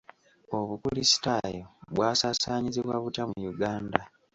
Obukulisitaayo bwasaasaanyizibwa butya mu Uganda?